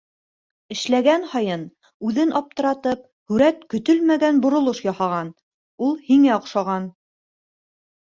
Эшләгән һайын, үҙен аптыратып, һүрәт көтөлмәгән боролош яһаған - ул һиңә оҡшаған.